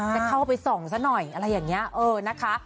จะเข้าไปส่องซะหน่อยอะไรอย่างนี้เออนะคะ